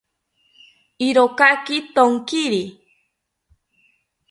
Irokaki thonkiri